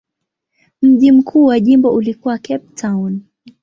Mji mkuu wa jimbo ulikuwa Cape Town.